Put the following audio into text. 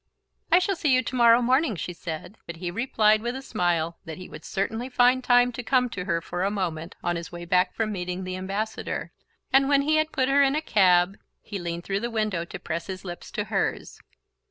"I shall see you to morrow morning," she said; but he replied with a smile that he would certainly find time to come to her for a moment on his way back from meeting the Ambassador; and when he had put her in a cab he leaned through the window to press his lips to hers.